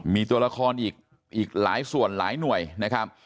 มีตัวละครอีกหลายส่วนหลายหน่วยนะครับ